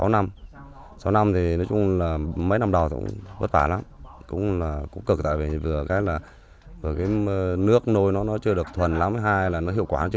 nói chung mỗi năm đầu thu của tôi tổng thu của tôi là một tỷ bảy hai tỷ